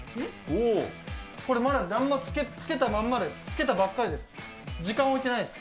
これ、まだなんも、つけたまんまです、つけたばっかりです。